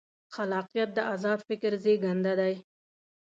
خلاقیت د ازاد فکر زېږنده دی.